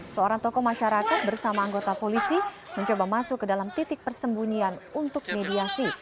seorang tokoh masyarakat bersama anggota polisi mencoba masuk ke dalam titik persembunyian untuk mediasi